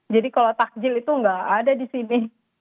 jadi kalau takjil itu nggak ada di sini